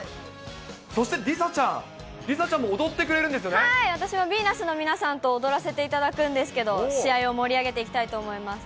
そして梨紗ちゃん、梨紗ちゃんもはーい、私もヴィーナスの皆さんと踊らせていただくんですけれども、試合を盛り上げていきたいと思います。